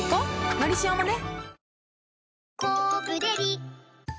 「のりしお」もね